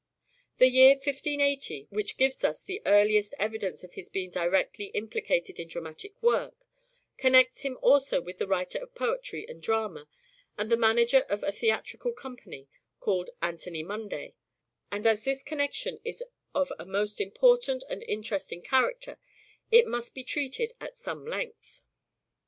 The year 1580, which gives us the earliest evidence Anthony of his being directly implicated in dramatic work, Munday connects him also with a writer of poetry and drama, and the manager of a theatrical company, called Anthony Munday ; and as this connection is of a most important and interesting character it must be treated at some length.